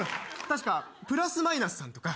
確かプラス・マイナスさんとか。